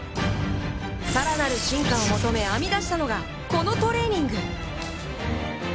さらなる進化を求め編み出したのが、このトレーニング！